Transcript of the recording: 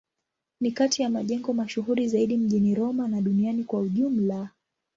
Ni kati ya majengo mashuhuri zaidi mjini Roma na duniani kwa ujumla.